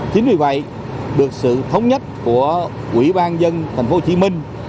chính vì vậy được sự thống nhất của quỹ ban dân tp hcm